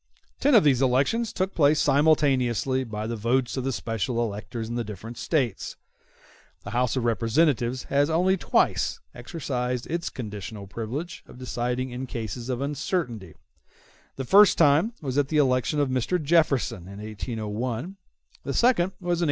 Ten of these elections took place simultaneously by the votes of the special electors in the different States. The House of Representatives has only twice exercised its conditional privilege of deciding in cases of uncertainty; the first time was at the election of Mr. Jefferson in 1801; the second was in 1825, when Mr. Quincy Adams was named.